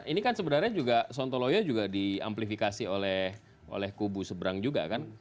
ini kan sebenarnya juga sontoloyo juga diamplifikasi oleh kubu seberang juga kan